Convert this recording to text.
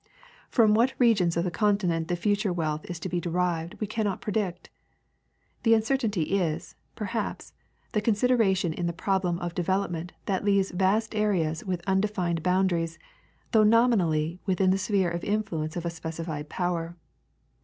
From what regions of the continent the future wealth is to be derived we cannot predict. The uncertainty is, perhaps, the con sideration in the j)roblem of development that leaves vast areas with undefined boundaries, though nominally within the sphere of influence of a specified power.